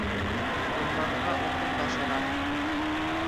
Урманға утын ташыған.